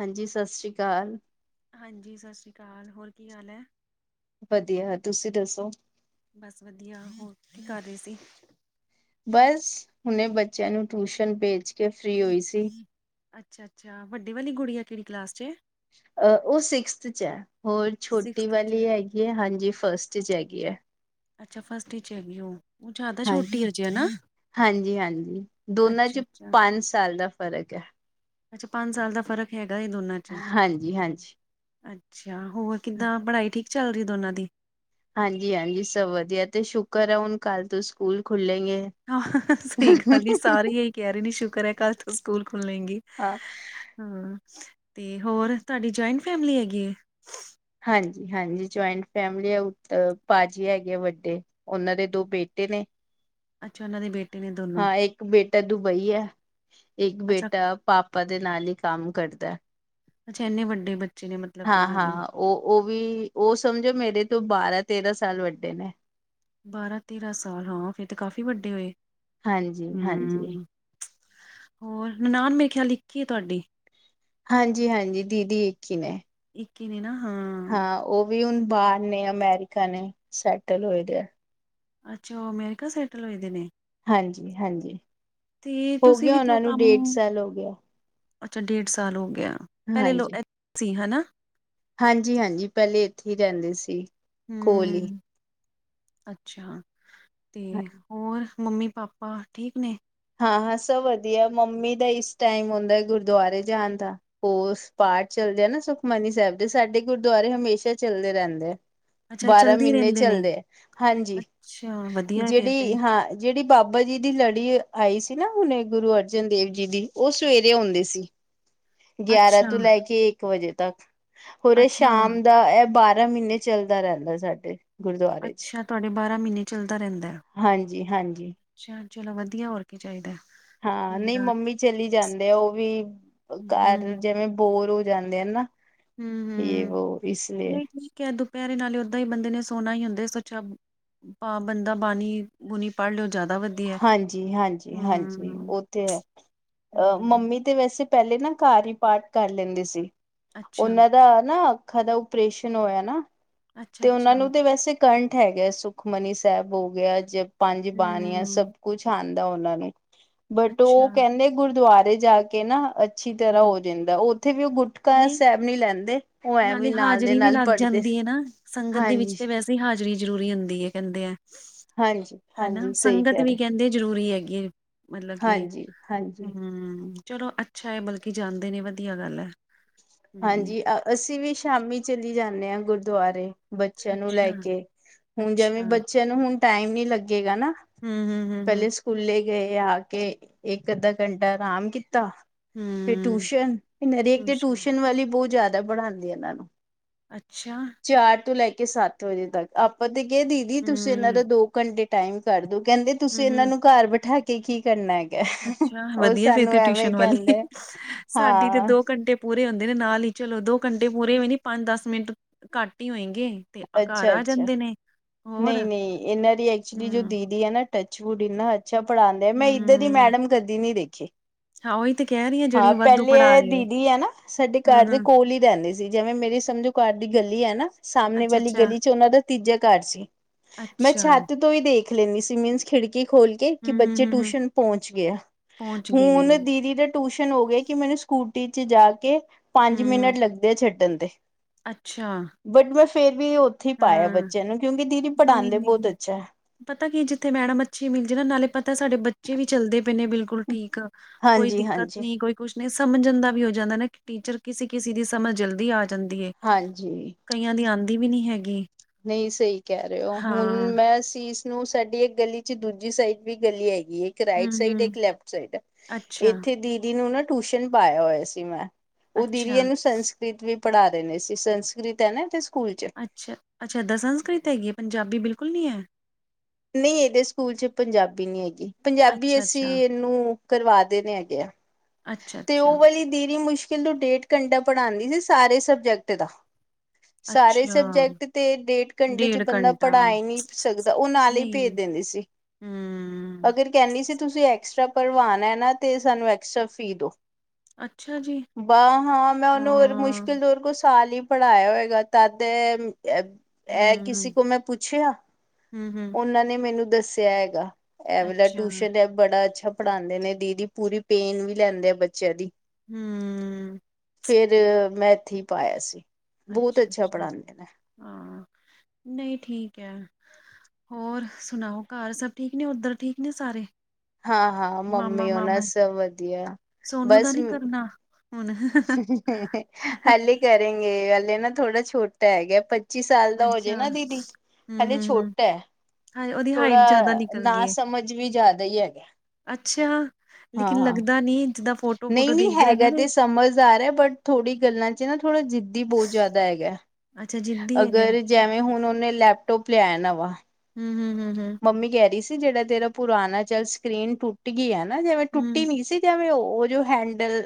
ਹਾਂਜੀ, ਸਤਿ ਸ੍ਰੀ ਅਕਾਲ। ਹਾਂਜੀ, ਸਤਿ ਸ਼੍ਰੀ ਅਕਾਲ। ਹੋਰ ਕੀ ਗਾਲ ਹੈ? ਵਧੀਆ। ਹਾ ਤੁਸੀਂ ਦੱਸੋ? ਬਸ ਵਧੀਆ। ਹੋਰ ਕੀ ਕਰ ਰਹੇ ਸੀ? ਬਸ, ਹੁਣੇ ਬੱਚਿਆਂ ਨੂੰ ਟਿਊਸ਼ਨ ਭੇਜ ਕੇ, ਫ੍ਰਰੀ ਹੋਈ ਸੀ। ਅੱਛਾ- ਅੱਛਾ, ਵੱਡੇ ਵਾਲੀ ਗੁੜੀਆ ਕਿਹੜੀ ਕਲਾਸ ਚ ਐ। ਅਹ ਉਹ ਸਿਕਸਥ ਚ ਹੈ। ਹੋਰ ਛੋਟੀ ਸਿਕਸਥ ਚ ਵਾਲੀ ਹੈਗੀ ਹੈ, ਹਾਂਜੀ। ਫਸਟ ਚ ਹੈਗੀ ਹੈ ਅੱਛਾ ਫਸਟ ਚ ਹੈਗੀ ਉਹ ਉਹ ਜ਼ਿਆਦਾ ਹਾਂ ਛੋਟੀ ਹਜੇ ਨਾ ਹਾਂਜੀ ਹਾਂਜੀ ਦੋਨਾਂ ਅੱਛਾ ਚ ਅੱਛਾ ਪੰਜ ਸਾਲ ਦਾ ਫ਼ਰਕ ਹੈ ਅੱਛਾ ਪੰਜ ਸਾਲ ਦਾ ਫ਼ਰਕ ਹੈਗਾ ਇਹ ਦੋਨਾਂ ਚ ਹਾਂਜੀ ਹਾਂਜੀ ਅੱਛਾ ਹੋਰ ਕਿੱਦਾਂ ਪੜ੍ਹਾਈ ਠੀਕ ਚੱਲ ਰਹੀ ਦੋਨਾਂ ਦੀ ਹਾਂਜੀ ਹਾਂਜੀ ਸਭ ਵਧੀਆ ਤੇ ਸ਼ੁਕਰ ਆ ਹੁਣ ਕੱਲ ਤੋ ਸਕੂਲ ਖੁੱਲੇ ਹਾਂ ਸਹੀ ਗੱਲ ਐ ਸਾਰੇ ਇਹੀ ਕਹਿ ਰਹੇ ਨੇ ਸ਼ੁਕਰ ਹੈ ਕੱਲ ਤੋਂ ਸਕੂਲ ਖੁੱਲੇ ਗੇ ਹਾਂ ਤੇ ਹੋਰ ਤੁਹਾਡੀ ਜੌਆਇੰਟ ਫੈਮਿਲੀ ਹੈਗੀ ਆ ਹਾਂਜੀ ਹਾਂਜੀ ਜੁਆਇੰਟ ਫੈਮਲੀ ਉਤੇ ਭਾਜੀ ਹੈਗੇ ਆ ਵੱਡੇ ਉਹਨਾਂ ਦੇ ਦੋ ਬੇਟੇ ਨੇ ਅੱਛਾ ਉਹਨਾਂ ਦੇ ਬੇਟੇ ਨੇ ਦੋਨੋ ਹਾਂ ਇੱਕ ਬੇਟਾ ਦੁਬਈ ਹੈ ਇੱਕ ਅੱਛਾ ਬੇਟਾ ਪਾ ਪਾਪਾ ਦੇ ਨਾਲ ਹੀ ਕੰਮ ਕਰਦਾ ਅੱਛਾ ਇੰਨੇ ਵੱਡੇ ਬੱਚੇ ਨੇ ਮਤਲਬ ਕਿ ਹਾਂ ਉਹਨਾਂ ਦੀ ਹਾਂ ਉਹ ਉਹ ਵੀ ਉਹ ਸਮਝੋ ਮੇਰੇ ਤੋਂ ਬਾਰਾ ਤੇਰਾਂ, ਸਾਲ ਵੱਡੇ ਨੇ। ਬਾਰਾਂ, ਤੇਰਾਂ ਸਾਲ ਹਾਂ, ਫੇਰ ਤੇ, ਕਾਫੀ ਵੱਡੇ ਹੋਏ। ਹਾਂਜੀ, ਹਾਂਜੀ। ਹੂੰ। ਹੋਰ ਨਨਾਣ ਮੇਰੇ ਖਿਆਲ ਇੱਕ ਹੀ ਹੈ ਤੁਹਾਡੀ ਹਾਂਜੀ ਹਾਂਜੀ ਦੀਦੀ ਇੱਕ ਹੀ ਨੇ ਇੱਕ ਹੀ ਨੇ ਨਾ ਹਾਂ ਹਾਂ ਉਹ ਵੀ ਹੁਣ ਬਾਹਰ ਨੇ ਅਮੈਰੀਕਾ ਨੇ ਸੈਟਲ ਹੋਏ ਦੇ ਅੱਛਾ ਉਹ ਅਮੈਰੀਕਾ ਸੈਟਲ ਹੋਏ ਦੇ ਨੇ ਹਾਂਜੀ ਹਾਂਜੀ ਤੇ ਹੋ ਤੁਸੀਂ ਗਿਆ ਵੀ ਤੇ ਉਹ ਉਹਨਾਂ ਨੂੰ ਕੰਮ ਡੇਢ ਸਾਲ ਹੋ ਗਿਆ ਅੱਛਾ ਡੇਢ ਸਾਲ ਹੋ ਗਿਆ ਪਹਿਲੇ ਲੋ [inaudible] ਸੀ ਹਨਾ ਹਾਂਜੀ ਹਾਂਜੀ ਪਹਿਲੇ ਇੱਥੇ ਹੀ ਰਹਿੰਦੇ ਸੀ ਕੋਲ ਹੀ ਹੂੰ ਅੱਛਾ ਤੇ ਹੋਰ ਮੰਮੀ ਪਾਪਾ ਠੀਕ ਨੇ ਹਾਂ ਹਾਂ ਸਭ ਵਧੀਆ ਮੰਮੀ ਦਾ ਇਸ ਟਾਈਮ ਹੁੰਦਾ ਗੁਰਦੁਆਰੇ ਜਾਣ ਦਾ ਹੋ ਪਾਠ ਚੱਲਦੇ ਆ ਨਾ ਸੁਖਮਨੀ ਸਾਹਿਬ ਦੇ ਸਾਡੇ ਗੁਰਦੁਆਰੇ ਹਮੇਸ਼ਾ ਚੱਲਦੇ ਰਹਿੰਦੇ ਆ ਅੱਛਾ ਬਾਰਾਂ ਚਲਦੀ ਮਹੀਨੇ ਰਹਿੰਦੇ ਨੇ ਚੱਲਦੇ ਹੈ ਹਾਂਜੀ ਅੱਛਾ ਵਧੀਆ ਹੈ ਫਿਰ ਤੇ ਜਿਹੜੀ ਹਾਂ ਜਿਹੜੀ ਬਾਬਾ ਜੀ ਦੀ ਲੜੀ ਆਈ ਸੀ ਨਾ ਹੁਣੇ ਗੁਰੂ ਅਰਜਨ ਦੇਵ ਜੀ ਦੀ ਉਹ ਸਵੇਰੇ ਆਉਂਦੇ ਸੀ ਗਿਆਰਾਂ ਅੱਛਾ ਤੋਂ ਲੈ ਕੇ ਇੱਕ ਵਜੇ ਤੱਕ ਹੋਰ ਇਹ ਅੱਛਾ ਸ਼ਾਮ ਦਾ ਇਹ ਬਾਰਾਂ ਬਾਰਾਂ ਮਹੀਨੇ ਚੱਲਦਾ ਰਹਿੰਦਾ ਸਾਡੇ ਅੱਛਾ ਤੁਹਾਡੇ ਬਾਰਾਂ ਮਹੀਨੇ ਚੱਲਦੇ ਹਾਂਜੀ ਹਾਂਜੀ ਚਲੋ ਵਧੀਆ ਹੋਰ ਕੀ ਚਾਹੀਦਾ ਹਾਂ ਨਹੀਂ ਬੰਦਾ ਮੰਮੀ ਚਲੀ ਜਾਂਦੇ ਆ ਉਹ ਵੀ ਹੂੰ ਘਰ ਜਿਵੇਂ ਬੋਰ ਹੋ ਜਾਂਦੇ ਹਨਾ ਇਹ ਵੋ ਇਸ ਲਈ ਘਰੇ ਨਾਲੇ ਓਦਾਂ ਹੀ ਬੰਦੇ ਨੇ ਸੋਣਾ ਹੀ ਹੁੰਦੇ ਇਸ ਤੋਂ ਅੱਛਾ ਬੰਦਾ ਬਾਣੀ ਬੁਣੀ ਪੜ੍ਹ ਲੇ ੳਹ ਹਾਂਜੀ- ਹਾਂਜੀ ਹਾਂਜੀ ਹੂੰ, ਉਹ ਤੇ ਹੈ ਅਹ ਹੂੰ, ਮੰਮੀ ਤੇ ਵੈਸੇ ਪਹਿਲੇ ਨਾ ਘਰ ਹੀ ਪਾਠ ਕਰ ਲੈਂਦੀ ਸੀ ਅੱਛਾ, ਉਹਨਾਂ ਦਾ ਨਾ ਅੱਖਾਂ ਦਾ ਓਪਰੇਸ਼ਨ ਹੋਇਆ ਨਾ ਤੇ ਉਹਨਾਂ ਅੱਛਾ-ਅੱਛਾ, ਨੂੰ ਤੇ ਵੈਸੇ ਕ ਠ ਹੈਗਾ ਸੁਖਮਨੀ ਸਾਹਿਬ ਹੋ ਗਿਆ ਜ ਪੰਜ ਬਾਣੀਆਂ ਸਭ ਹੂੰ, ਕੁਛ ਆਉਂਦਾ ਉਹਨਾਂ ਨੂੰ ਬਟ ਅੱਛਾ, ਉਹ ਕਹਿੰਦੇ ਗੁਰਦੁਆਰੇ ਜਾ ਕੇ ਨਾ ਅੱਛੀ ਤਰ੍ਹਾਂ ਹੂੰ, ਹੋ ਜਾਂਦਾ ਉੱਥੇ ਵੀ ਉਹ ਗੁਟਕਾ ਨਹੀਂ ਸਾਹਿਬ ਨੀ ਲੈਂਦੇ ਉਹ ਨਾਲੇ ਐਵੇਂ ਨਾਲ ਦੇ ਹਾਜ਼ਰੀ ਵੀ ਨਾਲ ਲੱਗ ਪੜ੍ਹਦੇ ਜਾਂਦੀ ਐ ਨਾ ਸੰਗਤ ਦੇ ਵਿੱਚ ਹਾਂਜੀ ਤੇ ਵੈਸੇ ਹੀ ਹਾਜ਼ਰੀ ਜ਼ਰੂਰੀ ਹੁੰਦੀ ਹੈ ਕਹਿੰਦੇ ਆ ਹਾਂਜੀ ਹਨਾ ਹਾਂਜੀ ਸਹੀ ਸੰਗਤ ਕਹਿ ਵੀ ਰਹੇ ਕਹਿੰਦੇ ਜ਼ਰੂਰੀ ਹੈਗੀ ਮਤਲਬ ਕਿ ਹਾਂਜੀ ਹਾਂਜੀ ਹੂੰ ਚਲੋ ਅੱਛਾ ਹੈ ਬਲਕਿ ਜਾਂਦੇ ਨੇ ਵਧੀਆ ਗੱਲ ਹੈ ਹਾਂਜੀ ਅ ਅਸੀਂ ਵੀ ਸ਼ਾਮੀ ਚਲੀ ਜਾਣੇ ਆ ਗੁਰਦੁਆਰੇ ਬੱਚਿਆਂ ਨੂੰ ਲੈ ਅੱਛਾ, ਕੇ ਹੁਣ ਅੱਛਾ, ਲਗੇਗਾ ਨਾ ਹੂੰ-ਹੂੰ, ਹੂੰ-ਹੂੰ। ਪਹਿਲੇ ਸਕੂਲੈ ਗਏ ਆ ਕੇ ਇੱਕ ਅੱਧਾ ਘੰਟਾ ਆਰਾਮ ਕੀਤਾ ਫਿਰ ਹੂੰ, ਟਿਊਸ਼ਨ ਤੇ ਹਰੇਕ ਦੀ ਟਿਊਸ਼ਨ ਵਾਲੀ ਬਹੁਤ ਜ਼ਿਆਦਾ ਪੜ੍ਹਾਉਂਦੀ ਆ ਇਹਨਾਂ ਨੂੰ ਅੱਛਾ ਚਾਰ ਤੋਂ ਲੈ ਕੇ ਸੱਤ ਵਜੇ ਤੱਕ ਆਪਾਂ ਤੇ ਕਿਹਾ ਦੀਦੀ ਤੁਸੀਂ ਇਹਨਾਂ ਹੂੰ, ਦਾ ਦੋ ਘੰਟੇ ਟਾਈਮ ਕਰਦੋ ਕਹਿੰਦੇ ਤੁਸੀਂ ਇਹਨਾਂ ਹੂੰ-ਹੂੰ, ਨੂੰ ਘਰ ਬਿਠਾ ਕੇ ਕੀ ਕਰਨਾ ਹੈ ਅੱਛਾ ਵਧੀਆ ਫੇਰ ਤੇ ਟਿਊਸ਼ਨ ਵਾਲੀ ਕਹਿੰਦੇ ਸਾਡੀ ਤੇ ਹਾਂ ਦੋ ਘੰਟੇ ਪੂਰੀ ਪੂਰੇ ਹੁੰਦੇ ਨੇ ਨਾਲ ਹੀ ਚਲੋ ਦੋ ਘੰਟੇ ਪੂਰੇ ਹੋਏ ਨੇ ਪੰਜ ਦਸ ਮਿੰਟ ਘੱਟ ਹੀ ਹੋਏਗੀ ਗੇ ਤੇ ਆ ਘਰ ਅੱਛਾ ਆ ਅੱਛਾ ਜਾਂਦੇ ਨੇ ਹੋਰ ਨਹੀਂ ਨਹੀਂ ਇਹਨਾਂ ਦੀ ਐਕਚੁਲੀ ਜੋ ਹੂੰ, ਦੀਦੀ ਹੈ ਨਾ ਟਚਵੁਡ ਇੰਨਾ ਅੱਛਾ ਪੜਾਉਂਦੇ ਮੈਂ ਏਦਾਂ ਦੀ ਹੂੰ, ਮੈਡਮ ਕਦੀ ਨੀ ਦੇਖੀ ਹਾਂ ਉਹੀ ਤਾਂ ਹਾਂ ਪਹਿਲੇ ਇਹ ਦੀਦੀ ਹੈ ਨਾ ਸਾਡੇ ਘਰ ਦੇ ਹੂੰ-ਹੂੰ, ਕੋਲ ਹੀ ਰਹਿੰਦੀ ਸੀ ਜਿਵੇਂ ਮੇਰੀ ਸਮਝੋ ਘਰ ਗਲੀ ਹੈ ਨਾ ਸਾਹਮਣੇ ਵਾਲੀ ਅੱਛਾ-ਅੱਛਾ, ਗਲੀ ਚ ਉਹਨਾਂ ਦਾ ਤੀਜਾ ਘਰ ਸੀ ਮੈਂ ਅੱਛਾ, ਛੱਤ ਤੋਂ ਹੀ ਦੇਖ ਖ ਲੈਂਦੀ ਸੀ ਮੀਨਸ ਖਿੜਕੀ ਖੋਲ ਕੇ ਕਿ ਹੂੰ-ਹੂੰ, ਬੱਚੇ ਹੂੰ-ਹੂੰ, ਟਿਊਸ਼ਨ ਪਹੁੰਚ ਗਿਆ ਪਹੁੰਚ ਗਏ ਨੇ ਹੁਣ ਦੀਦੀ ਦਾ ਟਿਊਸ਼ਨ ਹੋ ਗਿਆ ਕਿ ਮੈਨੂੰ ਸਕੂ ਗੱਡੀ ਚ ਜਾ ਕੇ ਪੰਜ ਹੂੰ, ਮਿੰਟ ਲੱਗਦੇ ਆ ਛੱਡਣ ਤੇ ਅੱਛਾ- ਬਟ ਮੈਂ ਫੇਰ ਵੀ ਉੱਥੇ ਹੀ ਪਾਇਆ ਹਾਂ, ਬੱਚਿਆਂ ਨੂੰ ਕਿਉਂਕਿ ਦੀਦੀ ਪੜ੍ਹਾਦੇ ਬਹੁਤ ਨਹੀਂ-ਨਹੀਂ ਅੱਛਾ ਹੈ ਪਤਾ ਕਿ ਜਿੱਥੇ ਮੈਡਮ ਅੱਛੀ ਮਿਲ ਜਾ ਨਾ ਨਾਲੇ ਪਤਾ ਸਾਡੇ ਬੱਚੇ ਵੀ ਚੱਲਦੇ ਪਏ ਨੇ ਬਿਲਕੁਲ ਠੀਕ ਕੋਈ ਹਾਂਜੀ ਦਿੱਕਤ ਹਾਂਜੀ ਨੀ ਕੋਈ ਕੁਛ ਸਮਝਣ ਦਾ ਵੀ ਹੋ ਜਾਂਦਾ ਨਾ ਕਿ ਟੀਚਰ ਕਿਸੇ ਕਿਸੇ ਦੀ ਸਮਝ ਜਲਦੀ ਆ ਜਾਂਦੀ ਹਾਂਜੀ ਕਈਆਂ ਦੀ ਆਂਦੀ ਵੀ ਨਹੀ ਹੈਗੀ ਨਹੀਂ ਸਹੀ ਕਹਿ ਰਹੇ ਹੋ ਹੁਣ ਹਾਂ ਮੈਂ ਸੀ ਨੂੰ ਸਾਡੀ ਇੱਕ ਗਲੀ ਚ ਦੂਜੀ ਸਾਈਡ ਵੀ ਗਲੀ ਆਈ ਇੱਕ ਹੂੰ ਰਾਈਟ ਸਾਈਡ ਇੱਕ ਹੂੰ ਲੈਫਟ ਸਾਈਡ ਅੱਛਾ ਇੱਥੇ ਦੀਦੀ ਨੂੰ ਨਾ ਟਿਊਸ਼ਨ ਪਾਇਆ ਹੋਇਆ ਸੀ ਮੈਂ ਉਹ ਦੀਂਦੀ ਅੱਛਾ ਇਨੂੰ ਸੰਸਕ੍ਰਿਤ ਵੀ ਪੜ੍ਹਾ ਰਹੇ ਨੇ ਇਸਦੀ ਸੰਸਕ੍ਰਿਤ ਹੈ ਨਾ ਤੇ ਅੱਛਾ ਅੱਛਾ ਇੱਦਾਂ ਸੰਸਕ੍ਰਿਤ ਹੈਗੀ ਹੈ ਪੰਜਾਬੀ ਬਿਲਕੁਲ ਨਹੀਂ ਹੈ ਨਹੀਂ ਇਹਦੇ ਸਕੂਲ ਚ ਪੰਜਾਬੀ ਨਹੀਂ ਹੈਗੀ ਪੰਜਾਬੀ ਅੱਛਾ ਅਸੀਂ ਅੱਛਾ ਇਹਨੂੰ ਕਰਵਾ ਦੇਣੇ ਹੈਗੇ ਆ ਅੱਛਾ ਤੇ ਅੱਛਾ ਉਹ ਵਾਲੀ ਦੇਰੀ ਮੁਸ਼ਕਿਲ ਕਹਿੰਦੇ ਡੇਢ ਘੰਟਾ ਪੜ੍ਹਾਦੀ ਜੀ ਸੀ ਸਾਰੇ ਸਬਜੈਕਟ ਦਾ ਸਾਰੇ ਅੱਛਾ ਸਬਜੈਕਟ ਤੇ ਡੇਢ ਘੰਟੇ ਚ ਡੇਢ ਬੰਦਾ ਘੰਟਾ ਪੜ੍ਹਾ ਹੀ ਨਹੀਂ ਸਕਦਾ ਉਹ ਨਾਲ ਨਹੀਂ ਭੇਜ ਦਿੰਦੀ ਸੀ ਹੂੰ ਅਗਰ ਕਹਿੰਦੀ ਸੀ ਤੁਸੀਂ ਐਕਸਟਰਾ ਭਰਵਾਨਾ ਹੈ ਨਾ ਤੇ ਸਾਨੂੰ ਐਕਸਟਰਾ ਫੀਸ ਦੋ ਅੱਛਾ ਜੀ ਬਾਹ ਹਾਂ ਮੈਂ ਉਹਨੂੰ ਰ ਹਾਂ ਮੁਸ਼ਕਿਲ ਓਦੇ ਕੋਲੋ ਸਾਲ ਈ ਪੜ੍ਹਾਇਆ ਹੋਏਗਾ ਤਦ ਇਹ ਕਿਸੇ ਹੂੰ ਕੋ ਮੈਂ ਪੁੱਛਿਆ ਹੂੰ ਹੂੰ ਉਹਨਾਂ ਨੇ ਮੈਨੂੰ ਦੱਸਿਆ ਹੈਗਾ ਐ ਵਾਲਾ ਅੱਛਾ ਟਿਊਸ਼ਨ ਹੈ ਬੜਾ ਅੱਛਾ ਪੜਾਉਂਦੇ ਨੇ ਦੀਦੀ ਪੂਰੀ ਪੇਨ ਵੀ ਲੈਂਦੇ ਆ ਬੱਚਿਆਂ ਦੀ ਹੂੰ, ਫਿਰ ਮੈਂ ਇੱਥੇ ਪਾਇਆ ਸੀ। ਬਹੁਤ ਅੱਛਾ ਅੱਛਾ ਪੜ੍ਹਾਉਂਦੇ ਨੇ ਹਾਂ ਨਹੀਂ ਠੀਕ ਹੈ। ਹੋਰ ਸੁਣਾਓ ਘਰ ਸਭ ਠੀਕ ਨੇ ਉੱਧਰ ਠੀਕ ਨੇ ਸਾਰੇ? ਹਾਂ ਹਾਂ ਮਾਮਾ ਮੰਮੀ ਉਹ ਨਾ ਮਾਮਾ ਸਭ ਵਧੀਆ ਸੋਨੂੰ ਦਾ ਬਸ ਨੀ ਕਰਨਾ ਹੁਣ ਹਲੇ ਕਰੇਗੇ ਹਲੇ ਨਾ ਥੋੜਾ ਛੋਟਾ ਹੈਗਾ ਪੱਚੀ ਸਾਲ ਦਾ ਹੋ ਜੇ ਅੱਛਾ, ਨਾ ਦੀਦੀ ਹਲੇੇ ਹੂੰ-ਹੂੰ-ਹੂੰ, ਛੋਟਾ ਹੈ। ਹਾਏ ਉਹਦੀ ਹਾਈਟ ਜ਼ਿਆਦਾ ਥੋੜਾ ਨਿਕਲ ਗਈ ਨਾ ਏ ਸਮਝ ਵੀ ਜ਼ਿਆਦਾ ਹੀ ਹੈਗਾ। ਅੱਛਾ ਲੇਕਿਨ ਹਾਂ ਲੱਗਦਾ ਨੀ। ਜਿੱਦਾਂ ਨਹੀਂ ਫੋਟੋ-ਫੋਟੋ ਨਹੀਂ ਦੇਖਦੇ ਰਹਿੰਦੇ ਹੈਗਾ ਤੇ ਨੇ ਸਮਝਦਾਰ ਐ, ਬਟ ਥੋੜ੍ਹੀ ਗੱਲਾਂ ਚ ਨਾ ਥੋੜ੍ਹਾ ਜਿੱਦੀ ਬਹੁਤ ਜ਼ਿਆਦਾ ਹੈਗਾ। ਅੱਛਾ ਜਿੱਦੀ ਹੈਗਾ ਅਗਰ ਜਿਵੇਂ ਹੁਣ ਉਹਨੇ ਲੈਪਟੋਪ ਲੇਯਾ ਐ ਨਵਾ ਹੂੰ-ਹੂੰ-ਹੂੰ-ਹੂੰ, ਮੰਮੀ ਕਹਿ ਰਹੀ ਸੀ ਜਿਹੜਾ ਤੇਰਾ ਪੁਰਾਣਾ ਚਾਹੇ ਸਕ੍ਰੀਨ ਟੁੱਟ ਗਈ ਆ ਹੈਂ ਜਿਵੇਂ ਟੁੱਟੀ ਹੂੰ, ਨੀ ਸੀ, ਜਿਵੇੰ ਉਹ ਜੋ ਹੈਂਡਲ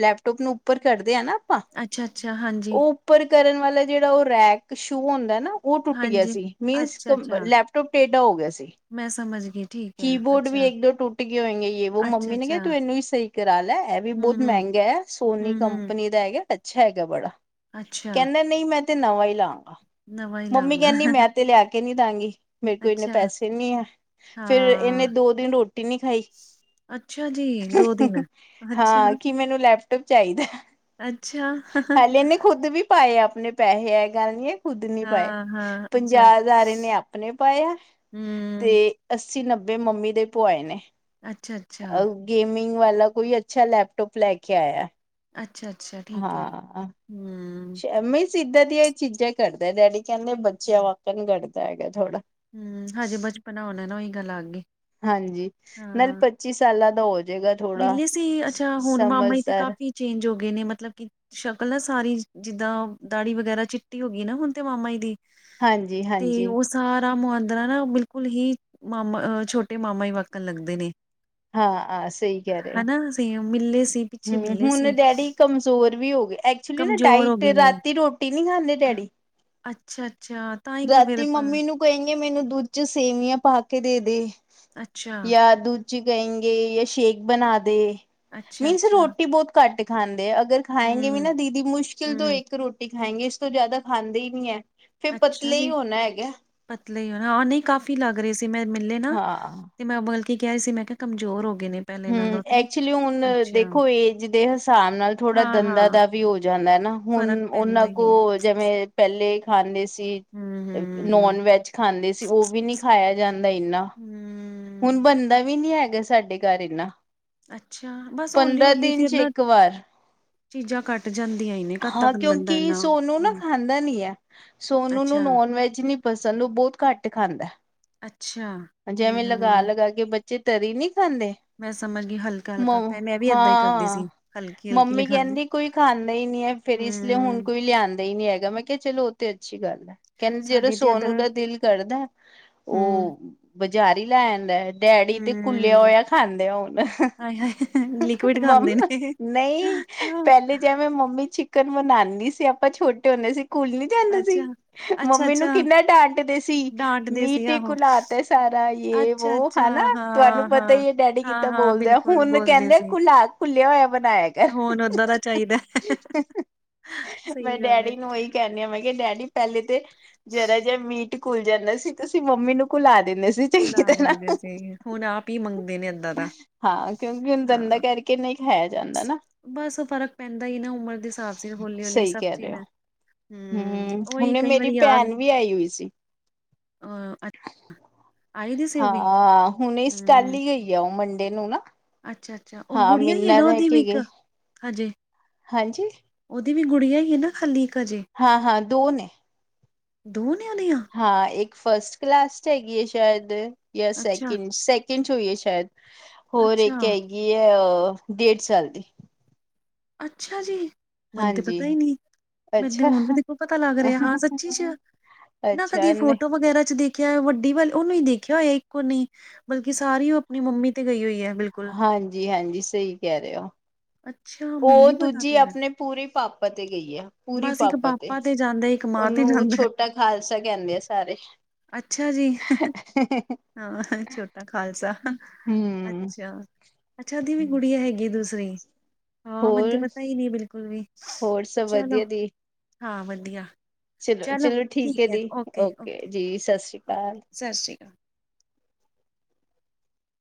ਲੈਪਟੋਪ ਨੂੰ ਉੱਪਰ ਕਰਦੇ ਆ ਨਾ ਆਪਾਂ ਅੱਛਾ ਅੱਛਾ ਹਾਂਜੀ। ਉਹ ਉੱਪਰ ਕਰਨ ਵਾਲਾ ਜਿਹੜਾ ਉਹ, ਰੈਕ ਸ਼ੂ ਹੁੰਦਾ ਨਾ ਉਹ ਟੁੱਟ ਗਿਆ ਹਾਂਜੀ-ਹਾਂਜੀ, ਸੀ ਮੀਨਸ ਅੱਛਾ-ਅੱਛਾ, ਲੈਪ ਟ ਟੁਟ, ਟੇਡਾ ਹੋ ਗਿਆ ਸੀ। ਮੈਂ ਸਮਝ ਗਈ ਠੀਕ ਐ ਕੀ ਬੋਰਡ ਵੀ ਅੱਛਾ, ਇੱਕ ਦੋ ਟੁੱਟ ਗਏ ਹੋਏਗੇ ਯ ਵੋ, ਮੰਮੀ ਨੇ ਕਿਹਾ ਅੱਛਾ-ਅੱਛਾ, ਤੂੰ ਇਹਨੂੰ ਹੀ ਸਹੀ ਕਰਾ ਲੈ। ਇਹ ਵੀ ਬਹੁਤ ਹੂੰ-ਹੂੰ, ਮਹਿੰਗਾ ਹੈ, ਸੋਨੀ ਹੂੰ-ਹੂੰ। ਕੰਪਨੀ ਦਾ ਹੈਗਾ। ਅੱਛਾ ਹੈਗਾ ਬੜਾ, ਅੱਛਾ ਕਹਿੰਦਾ ਨਹੀਂ ਮੈਂ ਤੇ ਨਵਾਂ ਹੀ ਲਾਵ ਨਵਾਂ ਹੀ ਮੰਮੀ ਲਾਂਗਾ ਕਹਿੰਦੀ, ਮੈਂ ਤੇ ਲਿਆ ਕੇ ਨੀ ਦਾਂਗੀ। ਮੇਰੇ ਕੋਲ ਇਨੇ ਅੱਛਾ ਪੈਸੇ ਨਹੀਂ ਹੈ, ਫਿਰ ਹਾਂ ਇਹਨੇ ਦੋ ਦਿਨ ਰੋਟੀ ਨਹੀਂ ਖਾਈ। ਅੱਛਾ ਜੀ ਹਮ ਦੋ ਹੂ ਦਿਨ ਹੂ ਅੱਛਾ ਹਾਂ ਕੀ ਮੈਨੂੰ ਲੈਪਟੋਪ ਚਾਹੀਦਾ। ਅੱਛਾ ਹਾਲੇੇ ਇਹਨੇ ਖੁੱਦ ਵੀ ਪਾਏ ਆ ਆਪਣੇ ਪੈਸੇ ਐ, ਏ ਗੱਲ ਨੀ ਹੈ ਖੁੱਦ ਨੀ ਪਾਏ, ਹਾਂ ਹਾਂ ਅੱਛਾ ਪੰਜਾਹ ਹਜ਼ਾਰ ਐਨੇ ਆਪ ਆਪਣੇ ਪਾਏ ਆ ਤੇ ਹੂੰ ਅੱਸੀ ਨੱਬੇ ਮੰਮੀ ਦੇ ਪੂਆਏ ਨੇ। ਅੱਛਾ ਅੱਛਾ। ਗੇਮਿੰਗ ਵਾਲਾ ਕੋਈ ਅੱਛਾ ਲੈਪਟੋਪ ਲੈ ਕੇ ਆਇਆ। ਅੱਛਾ ਅੱਛਾ ਠੀਕ ਹੈ, ਹੂ। ਮੀਂਸ ਇੱਦਾਂ ਦੀਆਂ ਇਹ ਚੀਜ਼ਾਂ ਕਰਦਾ, ਡੈਡੀ ਕਹਿੰਦੇ ਬੱਚਿਆਂ ਵਾਕਣ ਕਰਦਾ ਹੈਗਾ ਥੋੜਾ। ਹੂ, ਹਜੇ ਬਚਪਨਾ ਹੋਣਾ ਨਾ, ਔਹੀ ਗੱਲ ਆ ਗਈ। ਹਾਂਜੀ ਨਾਲ ਹਾਂ ਪੱਚੀ ਸਾਲਾਂ ਦਾ ਹੋ ਜਾ ਮਿਲੇ ਸੀ, ਅੱਛਾ ਹੁਣ ਮਾਮਾ ਹੀ ਤੇ ਕਾਫ਼ੀ ਚੇਂਜ ਹੋ ਗਏ ਨੇ, ਮਤਲਬ ਕਿ ਸ਼ਕਲ ਨਾ ਸਾਰੀ ਜਿੱਦਾਂ ਦਾੜੀ ਵਗੈਰਾ ਚਿੱਟੀ ਹੋ ਗਈ ਨਾ ਹੁਣ ਤੇ, ਮਾਮਾ ਜੀ ਦੀ। ਹਾਂਜੀ ਹਾਂਜੀ। ਮੁਹਦਰਾ ਨਾ ਬਿਲਕੁਲ ਹੀ ਮਾਮਾਹ ਛੋਟੇ ਮਾਮਾ ਹੀ ਵਕਣ ਲੱਗਦੇ ਨੇ। ਹਾਂ ਹਾਂ ਸਹੀ ਕਹਿ ਰਹੇ ਹੋ। ਹਨਾ ਅਸੀਂ ਮਿਲੇ ਸੀ ਪਿੱਛੇ ਹਮ ਮਿਲੇ ਹੁਣ ਸੀ ਡੈਡੀ ਕਮਜ਼ੋਰ ਵੀ ਹੋ ਗਏ, ਐਕਚੁਲੀ ਨਾ ਕਮਜ਼ੋਰ ਹੋ ਡਾਇਟ ਗਏ ਨੇ ਰਾਤੀ ਰੋਟੀ ਨਹੀਂ ਖਾਂਦੇ ਡੈਡੀ [inaudible] ਅੱਛਾ। ਅੱਛਾ ਤਾਂ ਹੀ ਫਿਰ ਰਾਤੀ ਪਰ ਮੰਮੀ ਨੂੰ ਕਹਿੰਗਏ ਮੈਨੂੰ ਦੁੱਧ ਚ ਸੇਵੀਆਂ ਪਾ ਕੇ ਦੇ ਦੇ। ਅੱਛਾ ਯਾ ਦੂੱਧ ਚੀ ਕਹਿਗੇ, ਜਾਂ ਸ਼ੇਕ ਬਣਾ ਦੇ। ਅੱਛਾ ਮੀਨਸ ਅੱਛਾ ਰੋਟੀ ਬਹੁਤ ਘੱਟ ਖਾਂਦੇ, ਅਗਰ ਖਾਏਗੇ ਵੀ ਹੂੰ ਨਾ ਦੀਦੀ ਹੂੰ ਮੁਸ਼ਕਿਲ ਤੋਂ ਹੂੰ ਇੱਕ ਰੋਟੀ ਹੈਗੇ ਇਸ ਤੋਂ ਜ਼ਿਆਦਾ ਖਾਂਦੇ ਹੀ ਨੀ ਹੈ। ਫਿਰ ਅੱਛਾ ਪਤਲੇ ਹੀ ਜੀ ਹੋਣਾ ਹੈਗਾ। ਪਤਲੇ ਹਾਂ ਨਹੀਂ ਕਾਫੀ ਲੱਗ ਰਹੇ ਸੀ ਮੈਂ ਮਿਲੇ ਨਾ, ਹਾਂ ਤੇ ਮੈਂ ਬਲਕੀ ਕਹਿ ਰਹੀ ਸੀ ਮੈਂ ਕਿਹਾ ਕਮਜ਼ੋਰ ਹੋ ਗਏ ਨੇ ਪਹਿਲੇ ਹੂ, ਨਾਲੋਂ ਤੇ ਐਕਚੁਲੀ ਹੁਣ ਅੱਛਾ ਦੇਖੋ ਏਜ ਦੇ ਹਿਸਾਬ ਨਾਲ ਥੋੜਾ ਹਾਂ ਦੰਦਾਂ ਹਾਂ ਦਾ ਵੀ ਹੋ ਜਾਂਦਾ। ਹੈਨਾ, ਹੁਣ ਫ਼ਰਕ ਪੈਂਦਾ ਉਹਨਾਂ ਹੀ ਹੈ ਕੋਲ ਜਿਵੇਂ ਪਹਿਲੇ ਖਾਂਦੇ ਸੀ ਹੂੰ ਹੂੰ ਹੂੰ ਨੋਨ ਵੈਜ ਖਾਂਦੇ ਸੀ, ਔ ਵੀ ਨੀ ਖਾਇਆ ਜਾਂਦਾ ਇਨਾ। ਹੁਣ ਹੂੰ। ਬਣਦਾ ਵੀ ਨੀ ਹੈਗਾ, ਸਾਡੇ ਘਰ ਇਨਾ। ਅੱਛਾ ਬਸ ਹੌਲੀ ਪੰਦਰਾਂ ਹੌਲੀ ਦਿਨ ਫਿਰ ਚ ਨਾ ਇੱਕ ਵਾਰ ਚੀਜ਼ਾਂ ਘੱਟ ਜਾਂਦੀਆਂ ਹੀ ਨੇ ਕਦ ਹਾਂ ਤੱਕ ਬੰਦਾ ਕਿਉਂਕਿ ਇੰਨਾ ਸੋਨੂੰ ਨਾ ਹੂੰ ਖਾਂਦਾ ਨੀ ਹੈ, ਸੋਨੂੰ ਨੂੰ ਅੱਛਾ ਨੋਨ ਵੈਜ ਨੀ ਪਸੰਦ, ਉਹ ਬਹੁਤ ਘੱਟ ਖਾਂਦੇ। ਅੱਛ ਜੇਵੇਂ ਲਗਾ ਲਗਾ ਕੇ ਬੱਚੇ, ਤਰੀ ਨਹੀਂ ਖਾਂਦੇ। ਮੈਂ ਸਮਝ ਗਈ ਹਲਕਾ ਮ ਹਲਕਾ ਪ ਮੈਂ ਵੀ ਏਦਾਂ ਹੀ ਕਰਦੀ ਹਾਂ, ਸੀ ਹਲਕੀ ਹਲਕੀ ਮੰਮੀ ਲਗਾਉਂਦੇ ਕਹਿੰਦੀ ਕੋਈ ਖਾਂਦਾ ਹੀ ਨਹੀਂ ਏ। ਫੇਰ ਇਸ ਲਈ, ਹੁਣ ਹੂੰ ਕੋਈ ਲਿਆਂਦਾ ਹੀ ਨੀ ਹੈਗਾ ਮੈਂ ਕੇਹਾ ਚਲੋ, ਔ ਤੇ ਅੱਛੀ ਗੱਲ ਏ, ਕਹਿੰਦੇ ਜਦੋਂ ਸਾਡੇ ਤੇ ਸੋਨੂੰ ਇੱਧਰ ਦਾ ਦਿਲ ਕਰਦਾ ਔ ਹੂੰ ਬਜ਼ਾਰ ਹੀ ਲੈ ਆਦਾ ਡੈਡੀ ਤੇ ਕੁੱਲਿਆ ਹੂੰ ਹੋਇਆ ਖਾਂਦੇ ਆ ਹੁਣ ਹਾਏ ਹਾਏ ਲਿਕੁਿਡ ਖਾਂਦੇ ਮੰਮਾ ਨੇ ਨਹੀਂ ਪਹਿਲੇ ਜੇਵੇੈਂ ਮੰਮੀ ਚਿਕਨ ਬਨਾਂਦੀ ਸੀ ਆਪਾਂ ਛੋਟੇ ਹੁੰਦੇ ਸੀ ਕੂਲ ਨੀ ਜਾਂਦਾ ਸੀ ਅੱਛਾ ਅੱਛਾ ਮੰਮੀ ਨੂੰ ਅੱਛਾ ਕਿੰਨਾ ਡਾਂਟਦੇ ਸੀ ਡਾਂਟਦੇ ਸੀ ਮੀਟ ਹੀ ਆਹੋ ਕੁਲਾ ਸਾਰਾ ਯ ਵੋ ਅੱਛਾ ਅੱਛਾ ਹਨਾ ਹਾਂ ਤੁਹਾਨੂੰ ਹਾਂ ਪਤਾ ਹੀ ਹੈ ਡੈਡੀ ਹਾਂ ਕਿੱਦਾਂ ਹਾਂ ਬੋਲਦੇ ਆ ਬਿਲਕੁਲ ਹੁਣ ਬੋਲਦੇ ਕਹਿੰਦੇ ਸੀ ਖੁਲਾਅ ਖੁੱਲਿਆ ਹੋਇਆ ਬਣਾਇਆ ਕਰ ਹੁਣ ਓਦਾਂ ਦਾ ਚਾਹੀਦਾ ਮੈਂ ਸਹੀ ਗੱਲ ਹੈ ਡੈਡੀ ਨੂੰ ਇਹੀ ਕਹਿਣੀ ਆ ਮੈਂ ਕਿਹਾ ਡੈਡੀ ਪਹਿਲੇ ਤੇ ਜਰਾ ਜਿਹਾ ਮੀਟ ਘੁਲ ਜਾਂਦਾ ਸੀ ਤੁਸੀਂ ਮੰਮੀ ਨੂੰ ਘੁਲਾ ਦਿੰਦੇ ਸੀ ਚੰਗੀ ਘੁਲਾ ਤਰ੍ਹਾਂ ਦਿੰਦੇ ਸੀ ਹੁਣ ਆਪ ਹੀ ਮੰਗਦੇ ਨੇ ਏਦਾਂ ਦਾ ਹਾਂ ਕਿਉਂਕਿ ਹੁਣ ਦੰਦਾ ਹਾਂ ਕਰਕੇ ਨਹੀਂ ਖਾਇਆ ਜਾਂਦਾ ਨਾ। ਬਸ ਫਰਕ ਪੈਂਦਾ ਹੀ ਨਾ ਉਮਰ ਦੇ ਹਿਸਾਬ ਸੀ ਹੌਲੀ ਹੌਲੀ ਸਹੀ ਸਭ ਕਹਿ ਰਹੇ ਚਿਨ ਹੋ ਹੂੰ ਹੂੰ ਉਹੀ ਹੁਣੇ ਕਈ ਮੇਰੀ ਵਾਰੀ ਯਾਰ ਭੈਣ ਵੀ ਆਈ ਹੋਈ ਸੀ। ਅ [inaudible] ਦੀ ਸੀ ਉਹ ਵੀ ਹਾਂ ਹੁਣ ਕੱਲ ਹਮ ਹੀ ਗਈ ਆ ਉਹ ਮੰਡੇ ਨੂੰ ਨਾ ਅੱਛਾ ਅੱਛਾ ਉਹ ਹਾਂ ਗੁੜੀਆਂ ਹੀ ਹੈ ਮਿੰਨਾ ਨਾ ਰਹਿ ਉਹਦੀ ਵੀ ਕੇ ਇੱਕ ਗਏ ਹਜੇ ਹਾਂਜੀ ਉਹ ਦੀ ਵੀ ਗੁੜੀਆਂ ਹੀ ਨਾ ਖਾਲੀ? ਹਾਂ, ਹਾਂ ਦੋ ਨੇ ਦੁਨ ਹਾਂ ਇੱਕ ਫਸਟ ਕਲਾਸ ਚ ਹੈਗੀ ਏ ਸ਼ਾਇਦ, ਜਾਂ ਅੱਛਾ ਸੈਕਿੰਡ ਚ ਸੈ ਸੈਕੰਡ ਚ ਹੋਈ ਏ ਸ਼ਾਇਦ, ਹੋਰ ਅੱਛਾ ਇੱਕ ਹੈਗੀ ਹੈ ਡੇਢ ਸਾਲ ਦੀ। ਅੱਛਾ ਜੀ ਮੈਨੂੰ ਤੇ ਪਤਾ ਹਾਂਜੀ ਹੀ ਨਹੀਂ ਮੈਨੂੰ ਤੇ ਅੱਛਾ ਹੁਣ ਵੀ ਦੇਖੋ ਪਤਾ ਲੱਗ ਰਿਹਾ ਹਾਂ ਸੱਚੀ ਚ ਨਾ ਅੱਛਾ ਕਦੀ ਨਹੀਂ ਫੋਟੋ ਵਗੈਰਾ ਚ ਦੇਖ ਖਿਆ ਵੱਡੀ ਵੱਲ ਉਹਨੂੰ ਹੀ ਦੇਖਿਆ ਹੋਇਆ ਇੱਕੋ ਨਹੀਂ ਬਲਕਿ ਸਾਰੀ ਉਹ ਆਪਣੀ ਮੰਮੀ ਤੇ ਗਈ ਹੋਈ ਏ ਹਾਂਜੀ ਹਾਂਜੀ ਸਹੀ ਕਹਿ ਰਹੇ ਹੋ ਅੱਛਾ ਮੈਨੂੰ ਉਹ ਨੀ ਪਤਾ ਦੂਜੀ ਫੇਰ ਆਪਣੇ ਪੂਰੀ ਪਾਪਾ ਤੇ ਗਈ ਆ ਪੂਰੀ ਬਸ ਇੱਕ ਪਾਪਾ ਤੇ ਜਾਂਦਾ ਇੱਕ ਮਾਂ ਤੇ ਉਹਨੂੰ ਉਹ ਜਾਂਦਾ ਹੈ। ਛੋਟਾ ਖਾਲਸਾ ਕਹਿੰਦੇ ਆ ਸਾਰੇ ਅੱਛਾ ਜੀ ਹਾਂ ਛੋਟਾ ਖਾਲਸਾ ਹੂੰ ਅੱਛਾ ਅੱਛਾ ਉਹਦੀ ਵੀ ਗੁੜੀਆਂ ਹੈਗੀ ਆ ਦੂਸਰੀ ਹਾਂ ਮੈਨੂੰ ਹੋਰ-ਹੋਰ ਪਤਾ ਹੀ ਨਹੀਂ ਬਿਲਕੁਲ ਵੀ ਸਭ ਚਲੋ ਵਧੀਆ ਦੀ ਹਾਂ ਵਧੀਆ ਚਲੋ ਠੀਕ ਹੈ ਓਕੇ ਓਕੇ ਓਕੇ ਸਤਿ ਸ੍ਰੀ ਅਕਾਲ